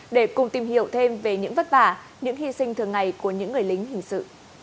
để cùng tìm hiểu thêm về những vất vả những hy sinh thường ngày của những người lính hình sự